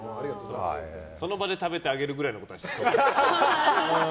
その場で食べてあげるくらいのことはしそう。